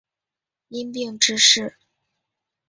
因病致仕。